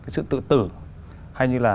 sự tự tử hay như là